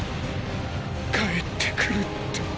帰ってくるって。